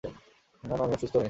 না, না, আমি অসুস্থ নই।